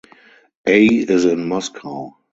A is in Moscow.